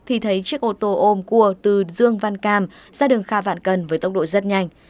thì thấy chiếc ô tô ôm cua từ dương văn cam ra đường kha vạn cần với tốc độ rất nhanh